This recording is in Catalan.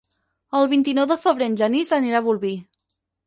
El vint-i-nou de febrer en Genís anirà a Bolvir.